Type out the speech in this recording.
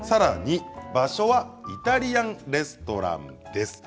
場所はイタリアンレストランです。